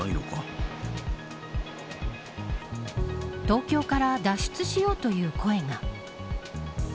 東京から脱出しようという声が。